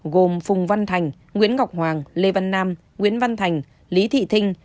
gồm phùng văn thành nguyễn ngọc hoàng lê văn nam nguyễn văn thành lý thị thinh